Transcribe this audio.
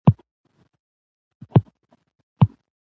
د هیواد په شمال کې د تېلو استخراج پیل شوی دی.